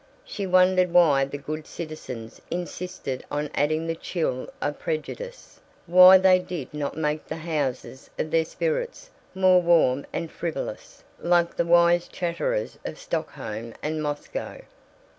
She wondered why the good citizens insisted on adding the chill of prejudice, why they did not make the houses of their spirits more warm and frivolous, like the wise chatterers of Stockholm and Moscow.